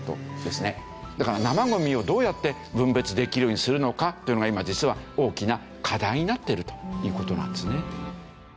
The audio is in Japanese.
だから生ゴミをどうやって分別できるようにするのかというのが今実は大きな課題になってるという事なんですね。